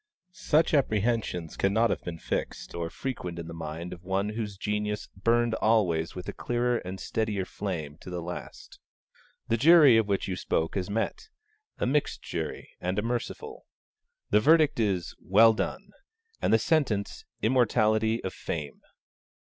Such apprehensions cannot have been fixed or frequent in the mind of one whose genius burned always with a clearer and steadier flame to the last. The jury of which you spoke has met: a mixed jury and a merciful. The verdict is 'Well done,' and the sentence Immortality of Fame.